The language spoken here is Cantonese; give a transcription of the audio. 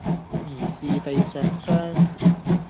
疑是地上霜